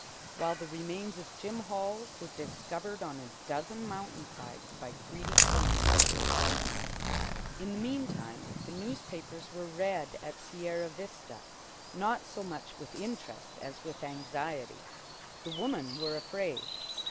While the remains of Jim Hall were discovered on a dozen mountain sides by greedy claimants for blood money. In the meantime the newspapers were read at Sierra Vista, not so much with interest as with anxiety. The women were afraid.